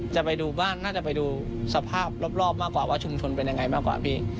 จะไปดูบ้านน่าจะไปดูสภาพรอบมากกว่าว่าชุมชนเป็นยังไงมากกว่าพี่